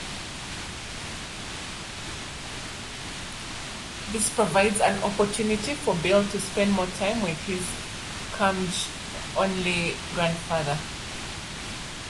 This provides an opportunity for Bill to spend more time with his curmudgeonly grandfather.